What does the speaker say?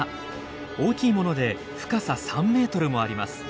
大きいもので深さ３ｍもあります。